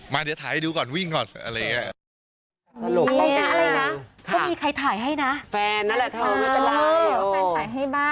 แล้วก็กำกับ